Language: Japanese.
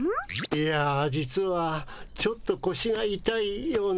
いや実はちょっとこしがいたいような